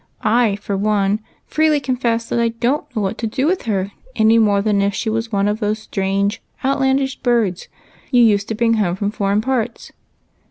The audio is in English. I, for one, freely confess that I don't know what to do with her any more than if she was one of those strange, outlandish birds you used to bring home from foreign jDarts."